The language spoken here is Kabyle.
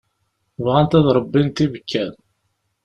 Bɣant ad ṛebbint ibekkan.